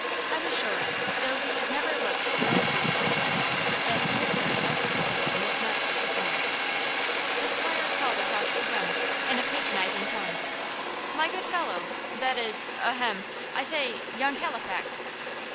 I was sure, though he had never looked directly towards us, that he had heard every syllable Miss March said to me. The 'squire called across the room, in a patronising tone: "My good fellow that is, ahem! I say, young Halifax?"